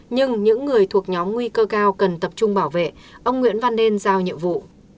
nhưng những người thuộc nhóm nguy cơ cao cần tập trung bảo vệ ông nguyễn văn nên giao nhiệm vụ